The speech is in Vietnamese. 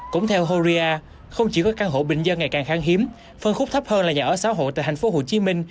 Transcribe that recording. cũng theo horea không chỉ có căn hộ bình dân ngày càng kháng hiếm phân khúc thấp hơn là nhà ở sáu hộ tại tp hcm